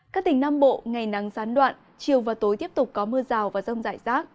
các tỉnh nam bộ ngày nắng gián đoạn chiều và tối tiếp tục có mưa rào và rông rải rác